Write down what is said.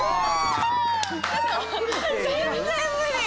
全然無理！